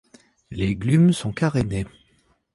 Les glumes sont carénées.